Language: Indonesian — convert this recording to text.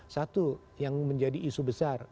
satu yang menjadi isu besar